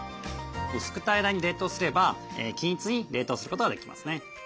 薄く平らに冷凍すれば均一に冷凍することができますね。